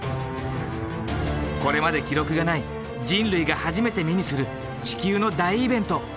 これまで記録がない人類が初めて目にする地球の大イベント。